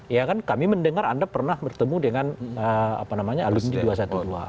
ya kan kami mendengar anda pernah bertemu dengan aludin diwa satu dua